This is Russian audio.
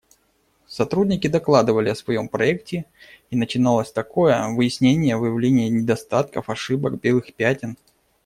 Сотрудники докладывали о своем проекте, и начиналось такое: выяснения, выявление недостатков, ошибок, белых пятен.